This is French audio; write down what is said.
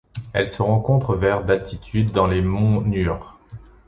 Elle se rencontre vers d'altitude dans les monts Nur.